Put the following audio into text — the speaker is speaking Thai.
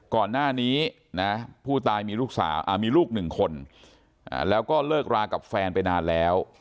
ก่อนหน้านี้นะผู้ตายมีลูกสาวมีลูกหนึ่งคนแล้วก็เลิกรากับแฟนไปนานแล้ว